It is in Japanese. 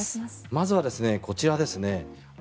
まずはこちらですね。